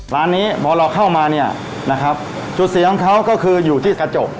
ร้านนี้พอเราเข้ามาเนี่ยนะครับจุดเสียงของเขาก็คืออยู่ที่กระจก